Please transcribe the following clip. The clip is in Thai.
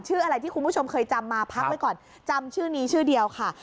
ชื่ออะไรที่คุณผู้ชมเคยจำมาพักไว้ก่อนจำชื่อนี้ชื่อเดียวค่ะ